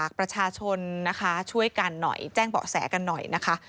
ประชาชนนะคะช่วยกันหน่อยแจ้งเบาะแสกันหน่อยนะคะ